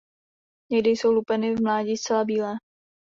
Někdy jsou lupeny v mládí zcela bílé.